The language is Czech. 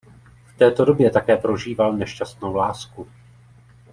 V této době také prožíval nešťastnou lásku.